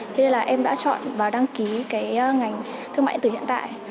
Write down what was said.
thế nên là em đã chọn và đăng ký cái ngành thương mại điện tử hiện tại